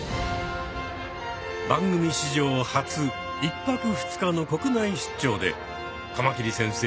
番組史上初１泊２日の国内出張でカマキリ先生